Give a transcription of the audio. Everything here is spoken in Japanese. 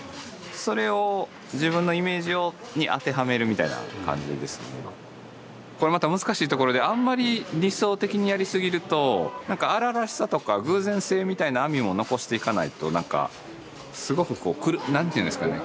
何ていうんですかねこれまた難しいところであんまり理想的にやり過ぎると荒々しさとか偶然性みたいな編みも残していかないとなんかすごくこう何ていうんですかね